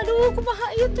aduh kumahak yutih